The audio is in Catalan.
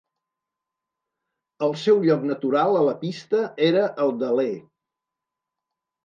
El seu lloc natural a la pista era el d'aler.